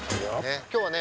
今日はね